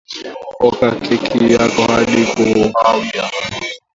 oka keki yako hadi kahawia